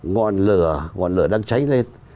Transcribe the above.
ngọn lửa đang cháy lên